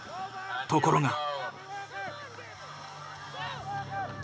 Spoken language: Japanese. ところが。